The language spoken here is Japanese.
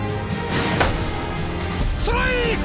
ストライク！